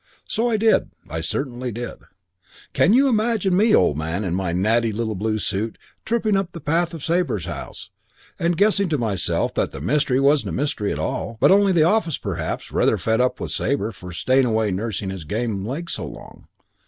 "So I did. I certainly did.... "You can imagine me, old man, in my natty little blue suit, tripping up the path of Sabre's house and guessing to myself that the mystery wasn't a mystery at all, but only the office perhaps rather fed up with Sabre for staying away nursing his game leg so long.